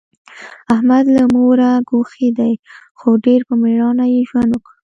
احمد له موره ګوښی دی، خو ډېر په مېړانه یې ژوند وکړ.